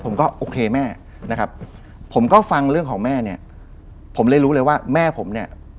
ผมก็โอเคแม่นะครับผมก็ฟังเรื่องของแม่เนี่ยผมเลยรู้เลยว่าแม่ผมเนี่ย